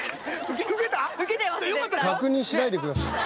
「確認しないでください」